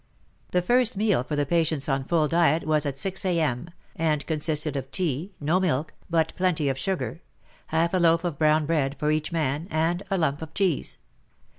The first meal for the patients on full diet was at 6 a.m., and consisted of tea, no milk, but plenty of sugar, half a loaf of brown bread for each man and a lump of cheese.